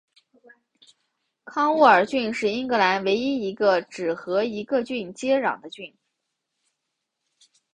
康沃尔郡是英格兰唯一一个只和一个郡接壤的郡。